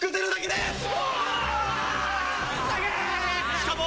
しかも。